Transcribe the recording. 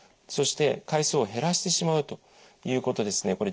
そして回数を減らしてしまうということですね。